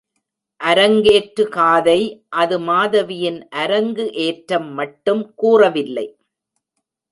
அரங்கேற்று காதை அது மாதவியின் அரங்கு ஏற்றம் மட்டும் கூறவில்லை.